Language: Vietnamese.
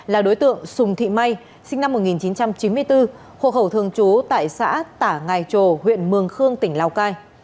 là đối tượng sùng thị may sinh năm một nghìn chín trăm chín mươi bốn hộ khẩu thường trú tại xã tả ngài trồ huyện mường khương tỉnh lào cai